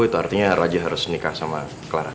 itu artinya raja harus nikah sama clara